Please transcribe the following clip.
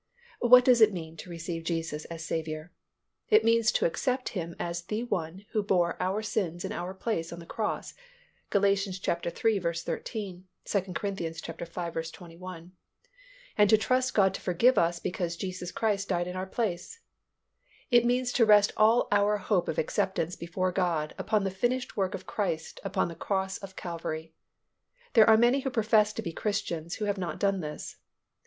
What does it mean to receive Jesus as Saviour? It means to accept Him as the One who bore our sins in our place on the cross (Gal. iii. 13; 2 Cor. v. 21) and to trust God to forgive us because Jesus Christ died in our place. It means to rest all our hope of acceptance before God upon the finished work of Christ upon the cross of Calvary. There are many who profess to be Christians who have not done this.